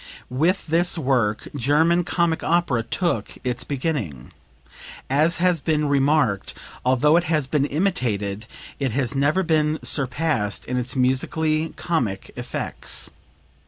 With this work German comic opera took its beginning. As has been remarked "although it has been imitated, it has never been surpassed in its musically comic effects."